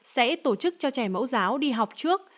sẽ tổ chức cho trẻ mẫu giáo đi học trước